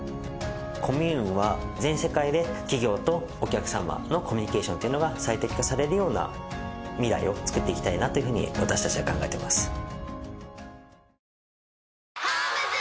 コミューンは全世界で企業とお客様のコミュニケーションっていうのが最適化されるような未来を作っていきたいなというふうに私たちは考えています。